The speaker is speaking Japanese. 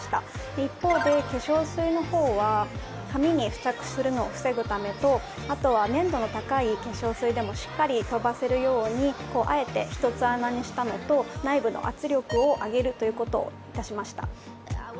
一方で、化粧水のほうは髪に付着するのを防ぐためとあとは粘度の高い化粧水でもしっかり飛ばせるようにあえて１つ穴にしたのと内部の圧力を上げるということをいたしました。